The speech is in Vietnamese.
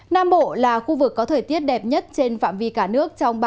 nam bộ là khu vực có thời tiết đẹp nhất trên phạm vi cả nước